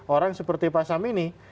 orang seperti pak samini